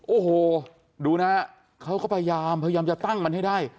โอ้โหดูนะเขาก็พยายามพยายามจะตั้งมันให้ได้